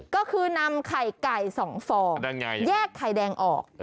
ก็คือนำไข่ไก่๒ฟองแยกไข่แดงออก